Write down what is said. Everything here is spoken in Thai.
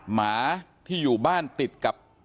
หมาที่อยู่บ้านติดกับ